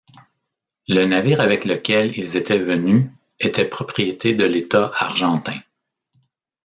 Le navire avec lequel ils étaient venus était propriété de l’État argentin.